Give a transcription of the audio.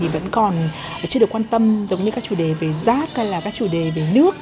vẫn còn chưa được quan tâm giống như các chủ đề về rác các chủ đề về nước